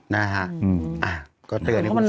นะฮะอ่ะก็เจอในคุณผู้ชมเนี่ย